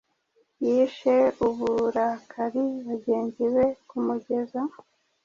Yishe uburakari bagenzi be kumeza